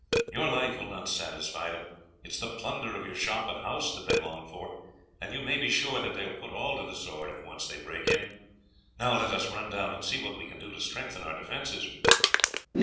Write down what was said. Your life will not satisfy them; it is the plunder of your shop and house that they long for, and you may be sure that they will put all to the sword if they once break in. Now let us run down and see what we can do to strengthen our defences."